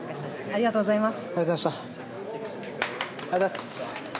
ありがとうございます。